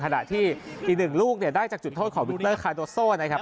ถ้าที่อีกหนึ่งลูกได้จากจุดโทษของวิคเตอร์คาโนโซนะครับ